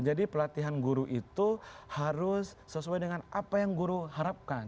jadi pelatihan guru itu harus sesuai dengan apa yang guru harapkan